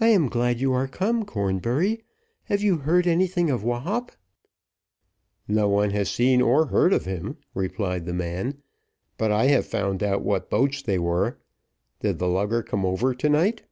"I am glad you are come, Cornbury. Have you heard anything of Wahop?" "No one has seen or heard of him," replied the man, "but I have found out what boats they were. Did the lugger come over to night?"